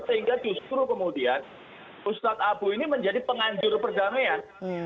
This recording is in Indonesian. sehingga justru kemudian ustadz abu ini menjadi penganjur perdamaian